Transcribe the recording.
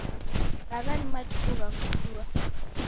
Agha ni matuku gha kutua